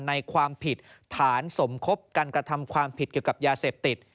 ความผิดฐานสมคบกันกระทำความผิดเกี่ยวกับยาเสพติด